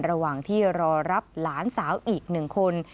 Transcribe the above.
ระหว่างที่รอรับหลานสาวอีก๑คน